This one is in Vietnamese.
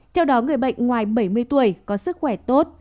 theo đó người bệnh ngoài bảy mươi tuổi có sức khỏe tốt